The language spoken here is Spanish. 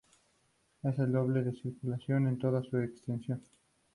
Es de doble circulación en toda su extensión.